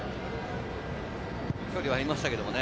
距離はありましたけれどね。